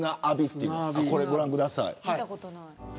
これをご覧ください。